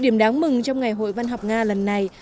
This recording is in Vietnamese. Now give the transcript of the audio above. điểm đáng mừng trong ngày hội văn học nga lần này